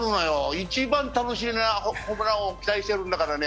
一番楽しみなのはホームラン王を期待してるんだからね。